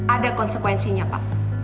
ada konsekuensinya pak